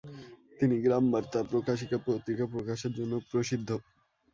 তিনি গ্রামবার্তা প্রকাশিকা পত্রিকা প্রকাশের জন্যও প্রসিদ্ধ।